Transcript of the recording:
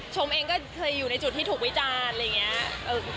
ชมเองก็เคยอยู่ในจุดที่ถูกวิจารณ์อะไรอย่างนี้